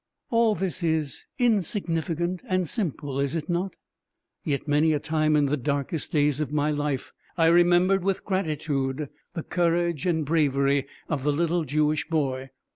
All this is insignificant and simple, is it not? Yet many a time in the darkest days of my life I remembered with gratitude the courage and bravery of the little Jewish boy.